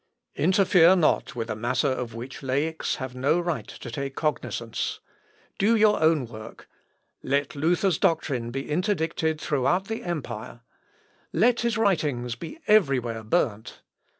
Interfere not with a matter of which laics have no right to take cognisance. Do your own work. Let Luther's doctrine be interdicted throughout the empire: let his writings be everywhere burnt.